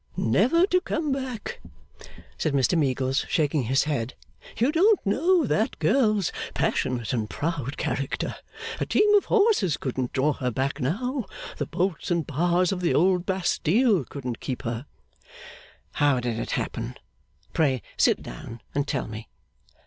'Never to come back,' said Mr Meagles, shaking his head. 'You don't know that girl's passionate and proud character. A team of horses couldn't draw her back now; the bolts and bars of the old Bastille couldn't keep her.' 'How did it happen? Pray sit down and tell me.